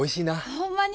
ほんまに？